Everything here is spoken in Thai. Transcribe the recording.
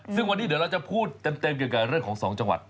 ซึ่งวันนี้เดี๋ยวเราจะพูดเต็มเกี่ยวกับเรื่องของ๒จังหวัด